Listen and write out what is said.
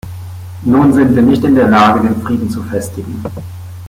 Nun sind wir nicht in der Lage, den Frieden zu festigen.